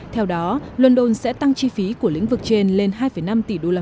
theo đó london sẽ tăng chi phí của lĩnh vực trên lên hai năm tỷ usd